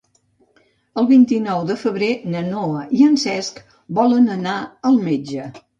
El vint-i-nou de febrer na Noa i en Cesc volen anar al metge.